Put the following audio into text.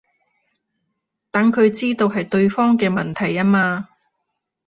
等佢知道係對方嘅問題吖嘛